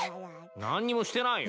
何にもしてないよ。